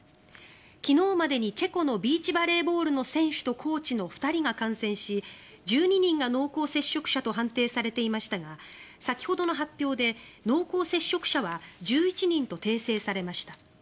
昨日までにチェコのビーチバレーボールの選手とコーチの２人が感染し１２人が濃厚接触者と判定されていましたが先ほどの発表で濃厚接触者は１１人と訂正されました。